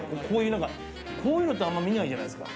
こういうのってあんまり見ないじゃないですか。